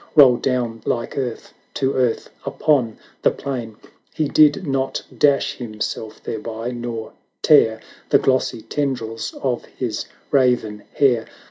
Roll down like earth to earth upon the plain; He did not dash himself thereby, nor tear The glossy tendrils of his raven hair.